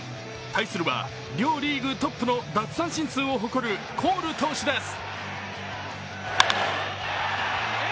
対するは、両リーグトップの奪三振数を誇るコール投手です。